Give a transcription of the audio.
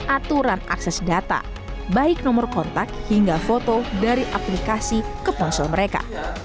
aturan akses data baik nomor kontak hingga foto dari aplikasi ke ponsel mereka